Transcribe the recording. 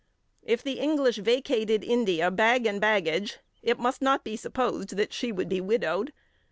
"If the English vacated India bag and baggage, it must not be supposed that she would be widowed.